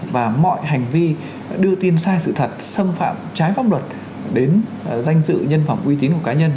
và mọi hành vi đưa tin sai sự thật xâm phạm trái pháp luật đến danh dự nhân phẩm uy tín của cá nhân